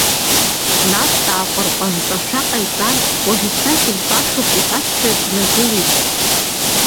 Нас, дааҟәараҟәанҽашәа ҟаиҵан, уажәшьҭа зегь башоуп иҳәозшәа дналагеит.